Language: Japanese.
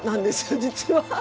実は。